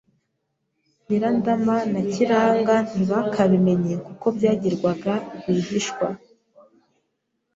Nyirandama na Kiranga ntibakabimenye kuko byagirwaga rwihishwa.